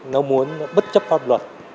nó muốn bất chấp pháp luật